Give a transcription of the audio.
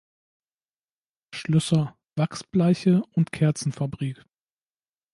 Schlösser Wachsbleiche und Kerzenfabrik.